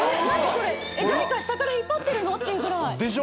誰か下から引っ張ってるの？っていうぐらいでしょ？